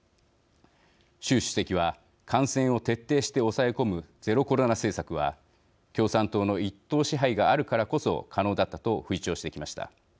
習主席は、感染を徹底して抑え込むゼロコロナ政策は共産党の一党支配があるからこそ可能だったと吹聴してきました。